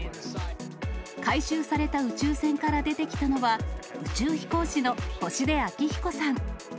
回収された宇宙船から出てきたのは、宇宙飛行士の星出彰彦さん。